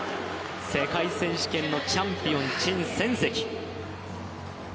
世界選手権のチャンピオン陳芋汐。